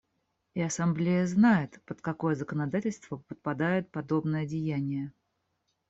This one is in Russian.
И Ассамблея знает, под какое законодательство подпадает подобное деяние.